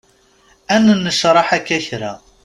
Ad nennecraḥ akka kra.